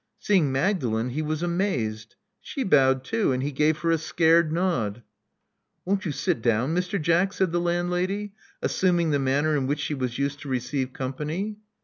Seeing Magdalen, he was amazed. She bowed too; and he gave her a scared nod. "Won't you sit down, Mr. Jack?" said the landlady, assuming the manner in which she was used to receive company.